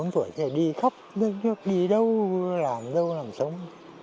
một mươi bốn tuổi thì đi khắp đi đâu làm đâu làm sống